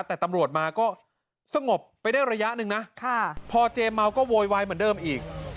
แต่ตำรวจมาก็สงบไปได้ระยะหนึ่งนะพอเจมเมาก็โวยวายเหมือนเดิมอีก